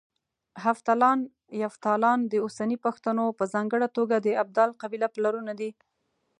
هفتلان، يفتالان د اوسني پښتنو په ځانګړه توګه د ابدال قبيله پلرونه دي